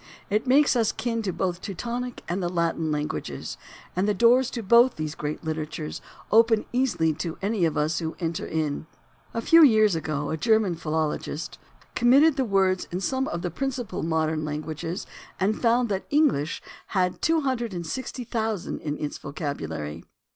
It makes us kin to both the Teutonic and the Latin languages, and the doors to both those great literatures open easily to any of us who would enter in. A few years ago a German philologist (German, of course) comited the words in some of the principal modern languages and found that English had 260,000 in its vocabulary.